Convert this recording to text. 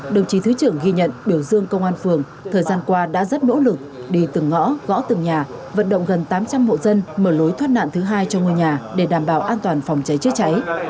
đồng chí thứ trưởng ghi nhận biểu dương công an phường thời gian qua đã rất nỗ lực đi từng ngõ gõ từng nhà vận động gần tám trăm linh hộ dân mở lối thoát nạn thứ hai cho ngôi nhà để đảm bảo an toàn phòng cháy chữa cháy